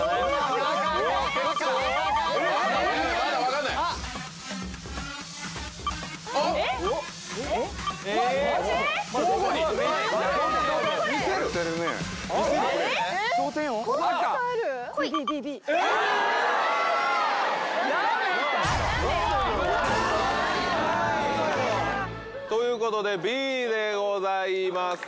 やった！ということでＢでございます。